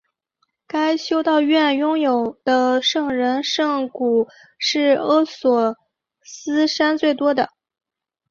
该修道院拥有的圣人圣髑是阿索斯山最多的。